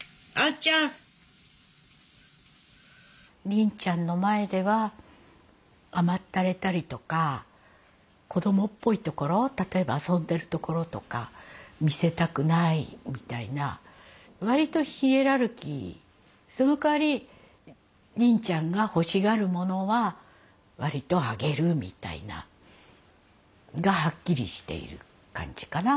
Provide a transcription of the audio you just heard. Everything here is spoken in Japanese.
りんちゃんの前では甘ったれたりとか子供っぽいところ例えば遊んでるところとか見せたくないみたいな割とヒエラルキーそのかわりりんちゃんが欲しがるものは割とあげるみたいながはっきりしている感じかな。